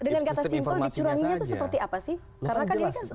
yang kata simpel dicuranginnya seperti apa sih